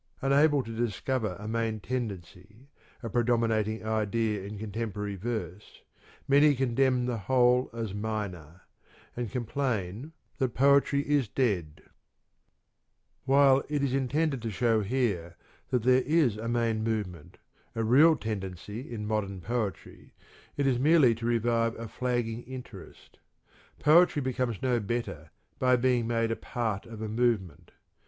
Unable to discover a main tendency, a predominating idea in contemporary verse, many condemn the whole as minor, and complain that Poetry is dead. 215 216 CRITICAL STUDIES While it is intended to show here that there is a main movement, a real tendency in modern poetry, it is merely to revive a flagging interest. Poetry becomes no better by being made a part of a movement.